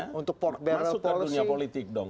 masuk ke dunia politik dong